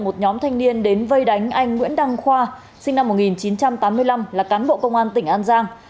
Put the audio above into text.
một nhóm thanh niên đến vây đánh anh nguyễn đăng khoa sinh năm một nghìn chín trăm tám mươi năm là cán bộ công an tỉnh an giang